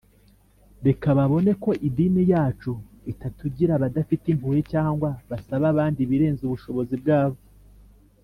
. Reka babone ko idini yacu itatugira abadafite impuhwe cyangwa basaba abandi ibirenze ubushobozi bwabo